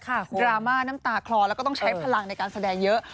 ดราม่าน้ำตาคลอแล้วก็ต้องใช้พลังในการแสดงเยอะ